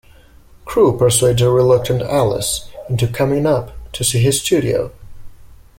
Crewe persuades a reluctant Alice into coming up to see his studio.